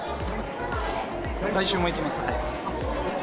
来週も行きます。